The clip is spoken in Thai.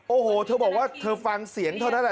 โอ้โหเธอบอกว่าเธอฟังเสียงเท่านั้นแหละ